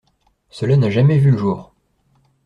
Cela n’a jamais vu le jour.